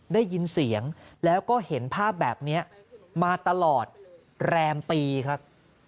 ได้ยินเสียงแล้วก็เห็นภาพแบบนี้มาตลอดแรมปีครับ